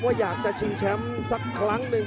อยากจะชิงแชมป์สักครั้งหนึ่ง